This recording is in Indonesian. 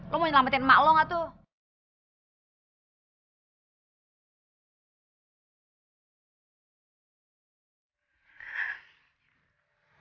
lo mau nyelamatin mak lo gak tuh